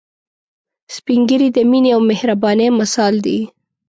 سپین ږیری د مينه او مهربانۍ مثال دي